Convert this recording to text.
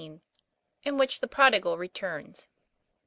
IN WHICH THE PRODIGAL RETURNS.